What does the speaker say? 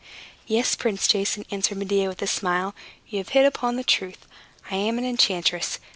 "Yes, Prince Jason," answered Medea, with a smile, "you have hit upon the truth. I am an enchantress.